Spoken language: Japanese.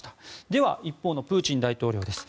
では一方のプーチン大統領です。